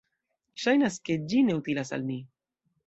Ŝajnas ke ĝi ne utilas al ni...